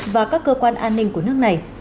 và các cơ quan an ninh của nước này